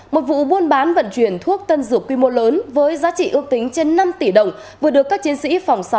một vụ buôn bán vận chuyển thuốc tân dược quy mô lớn với giá trị ước tính trên năm tỷ đồng vừa được các chiến sĩ phòng sáu